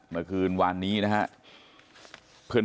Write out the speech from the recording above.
เมื่อวานนี้นะครับ